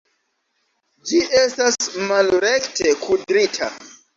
Ĝi estas malrekte kudrita!